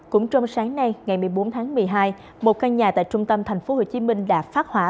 cũng trong sáng nay ngày một mươi bốn tháng một mươi hai một căn nhà tại trung tâm tp hcm đã phát hỏa